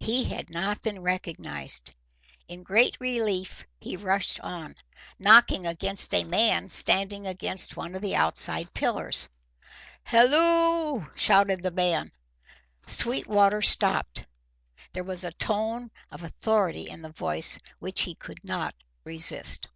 He had not been recognised. In great relief he rushed on, knocking against a man standing against one of the outside pillars. "Halloo!" shouted this man. Sweetwater stopped. There was a tone of authority in the voice which he could not resist.